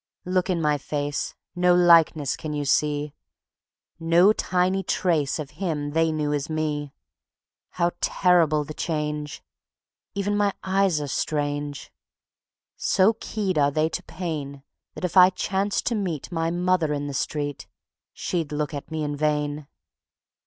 Look in my face no likeness can you see, No tiny trace of him they knew as "me". How terrible the change! Even my eyes are strange. So keyed are they to pain, That if I chanced to meet My mother in the street She'd look at me in vain.